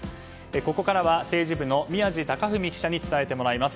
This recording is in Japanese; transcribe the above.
ここからは政治部の宮司隆史記者に伝えてもらいます。